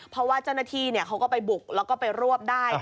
เพราะว่าเจ้าหน้าที่เขาก็ไปบุกแล้วก็ไปรวบได้